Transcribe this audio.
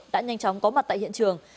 đã nhanh chóng có mặt tại hiện trường